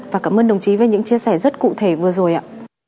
và cảm ơn đồng chí về những chia sẻ rất cụ thể vừa rồi ạ